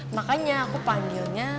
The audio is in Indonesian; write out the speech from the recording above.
makanya aku panggilnya